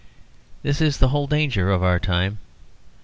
This is the whole danger of our time.